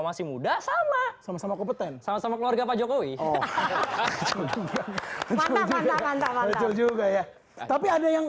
masih muda sama sama kompeten sama sama keluarga pak jokowi oh juga tapi ada yang